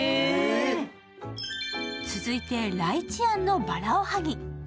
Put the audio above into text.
続いてライチあんの薔薇おはぎ。